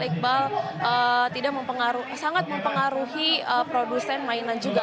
iqbal sangat mempengaruhi produsen mainan juga